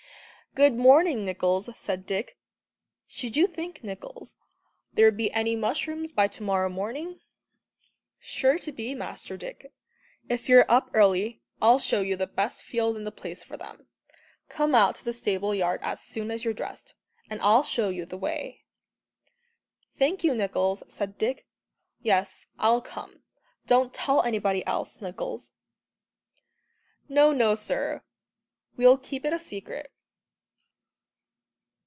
"Good morning, Nicholls," said Dick. "Should you think, Nicholls, there'd be any mushrooms by to morrow morning?" "Sure to be, Master Dick. If you're up early, I'll show you the best field in the place for them. Come out to the stable yard as soon as you're dressed, and I'll show you the way." "Thank you, Nicholls," said Dick. "Yes, I'll come. Don't tell anybody else, Nicholls." "No, no, sir, we'll keep it a secret."